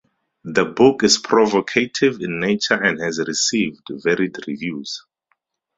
The book is provocative in nature and has received varied reviews.